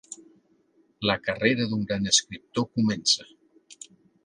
La carrera d'un gran escriptor comença.